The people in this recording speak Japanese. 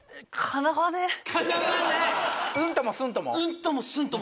うんともすんとも？